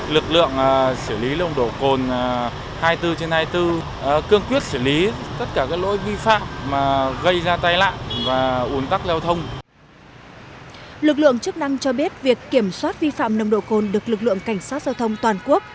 lực lượng chức năng cho biết việc kiểm soát vi phạm nồng độ cồn được lực lượng cảnh sát giao thông toàn quốc